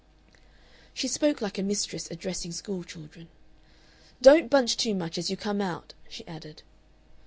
She spoke like a mistress addressing school children. "Don't bunch too much as you come out," she added.